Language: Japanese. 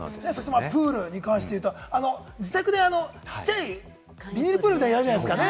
プールに関して言うと、自宅でちっちゃいビニールプールみたいなのあるじゃないですか。